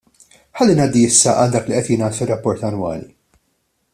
Ħalli ngħaddi issa għal dak li qed jingħad fir-rapport annwali.